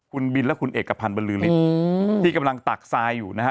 คุณบินและคุณเอกพันธ์บรรลือฤทธิ์ที่กำลังตักทรายอยู่นะฮะ